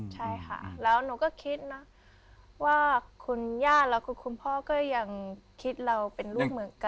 ใช่ค่ะแล้วหนูก็คิดนะว่าคุณย่าแล้วก็คุณพ่อก็ยังคิดเราเป็นลูกเหมือนกัน